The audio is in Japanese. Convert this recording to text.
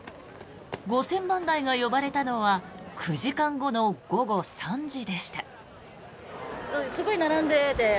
５０００番台が呼ばれたのは９時間後の午後３時でした。